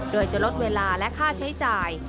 โดยจะลดเวลาและค่าใช้จ่าย